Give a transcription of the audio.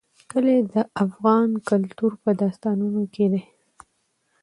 کلي د افغان کلتور په داستانونو کې دي.